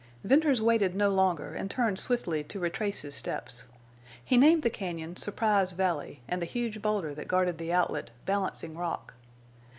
Venters waited no longer, and turned swiftly to retrace his steps. He named the cañon Surprise Valley and the huge boulder that guarded the outlet Balancing Rock.